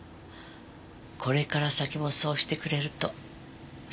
これから先もそうしてくれるとすごく嬉しい。